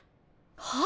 はあ？